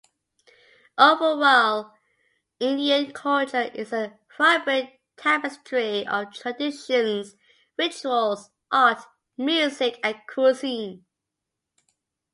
Overall, Indian culture is a vibrant tapestry of traditions, rituals, art, music, and cuisine.